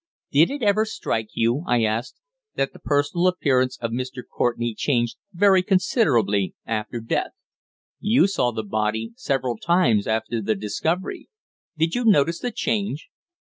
"Did it ever strike you," I asked, "that the personal appearance of Mr. Courtenay changed very considerably after death. You saw the body several times after the discovery. Did you notice the change?"